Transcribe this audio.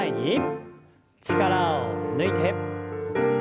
力を抜いて。